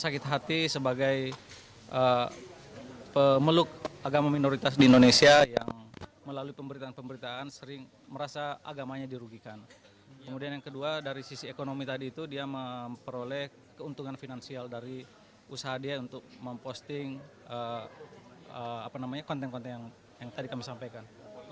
kb mengatakan bahwa kesehatan pemeriksaan adalah hal yang sangat penting untuk memperoleh keuntungan finansial dari usaha kb untuk memposting konten konten yang telah kami sampaikan